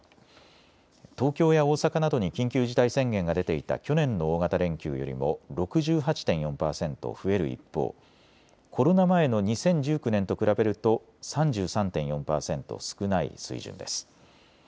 東京や大阪などに緊急事態宣言が出ていた去年の大型連休よりも６８．４％増える一方、コロナ前の２０１９年と比べると３３．４％少ない水準です。